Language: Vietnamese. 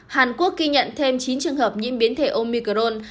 hàn quốc ghi nhận thêm chín trường hợp nhiễm biến thể omicron